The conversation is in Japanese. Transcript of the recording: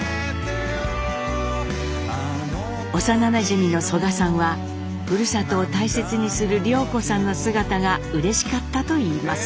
幼なじみの曽我さんはふるさとを大切にする涼子さんの姿がうれしかったといいます。